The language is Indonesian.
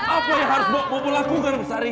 apa yang harus bapak lakukan besari